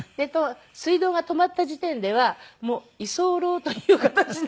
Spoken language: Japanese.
水道が止まった時点ではもう居候という形で。